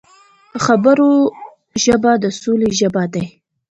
د خبرو ژبه د سولې ژبه ده